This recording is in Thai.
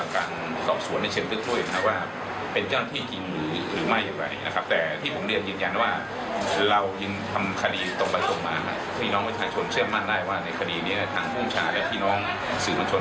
ความมั่นใจของทีมบังคับประชาชน